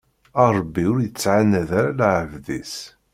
Ṛebbi ur ittɛanad ara lɛebd-is.